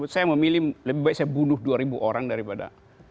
saya memilih lebih baik saya bunuh dua ribu orang daripada